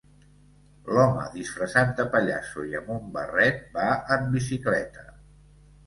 L'home disfressat de pallasso i amb un barret va en bicicleta